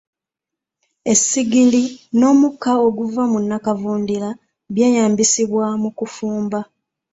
Essigiri n'omukka oguva mu nnakavundira by'eyambisibwa mu kufumba.